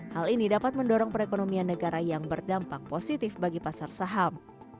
hal ini dapat mendorong perekonomian negara yang berdampak positif bagi pasar saham